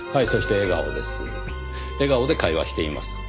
笑顔で会話しています。